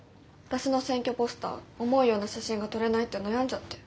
私の選挙ポスター思うような写真が撮れないって悩んじゃって。